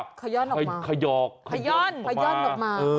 ขย่อนออกมาขยอกขย่อนขย่อนออกมา